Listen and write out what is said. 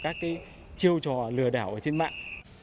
các chiêu trò lừa đảo trên mạng